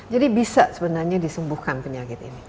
jadi bisa sebenarnya disembuhkan penyakit ini